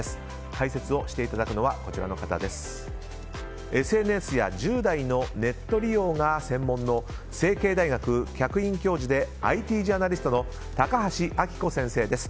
解説をしていただくのはＳＮＳや１０代のネット利用が専門の成蹊大学客員教授でＩＴジャーナリストの高橋暁子先生です。